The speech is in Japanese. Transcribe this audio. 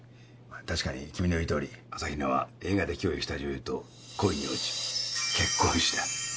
確かに君の言うとおり朝比奈は映画で共演した女優と恋に落ち結婚した。